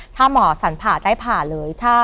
ถ้าหมอสันผ่าได้ผ่าเลย